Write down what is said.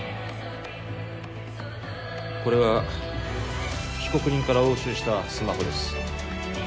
これは被告人から押収したスマホです。